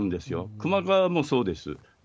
球磨川もそうです。